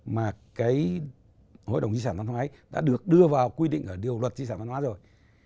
mà cái hội đồng di sản văn hóa đã được đưa vào quy định ở điều luật di sản văn hóa rồi